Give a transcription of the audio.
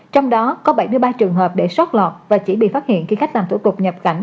trong đó có bảy mươi ba trường hợp để sót lọt và chỉ bị phát hiện khi khách làm thủ tục nhập cảnh